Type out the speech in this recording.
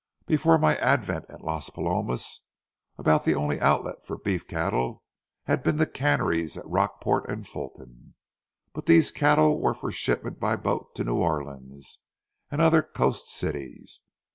Before my advent at Las Palomas, about the only outlet for beef cattle had been the canneries at Rockport and Fulton. But these cattle were for shipment by boat to New Orleans and other coast cities.